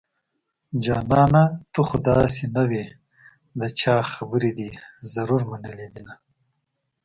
جانانه ته خو داسې نه وي د چا خبرې دې ضرور منلي دينه